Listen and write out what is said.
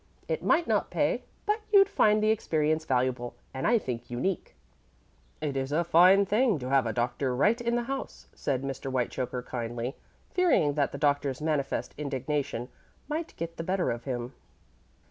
It might not pay, but you'd find the experience valuable, and I think unique." "It is a fine thing to have a doctor right in the house," said Mr. Whitechoker, kindly, fearing that the Doctor's manifest indignation might get the better of him.